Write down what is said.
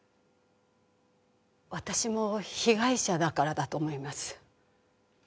私も被害者だからだと思います。